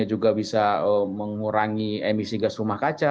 juga bisa mengurangi emisi gas rumah kaca